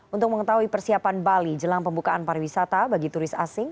untuk mengetahui persiapan bali jelang pembukaan pariwisata bagi turis asing